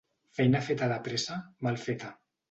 Feina feta de pressa, mal feta.